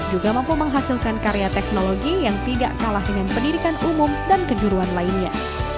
juga mampu menghasilkan karya teknologi yang tidak kalah dengan pendidikan umum dan kejuruan lainnya